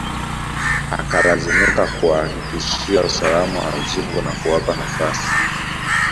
Akalazimika kuwahakikishia usalama wazungu na kuwapa nafasi